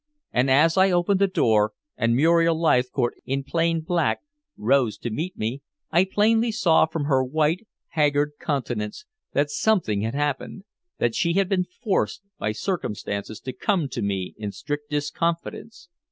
And as I opened the door and Muriel Leithcourt in plain black rose to meet me, I plainly saw from her white, haggard countenance that something had happened that she had been forced by circumstances to come to me in strictest confidence.